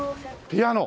ピアノ。